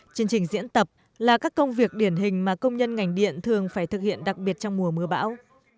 chương trình diễn tập là các công việc điển hình mà công nhân ngành điện thường phải thực hiện đặc biệt trong mùa mưa bão